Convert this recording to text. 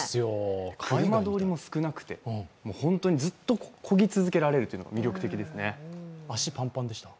車通りも少なくて、本当にずっとこぎ続けられるのは足、パンパンでした？